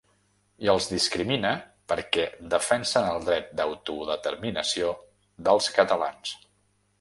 I els discrimina perquè defensen el dret d’autodeterminació dels catalans.